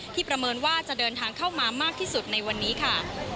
ประเมินว่าจะเดินทางเข้ามามากที่สุดในวันนี้ค่ะ